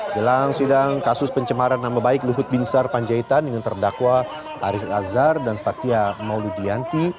jelang sidang kasus pencemaran nama baik luhut binsar panjaitan dengan terdakwa arief azhar dan fathia maulidianti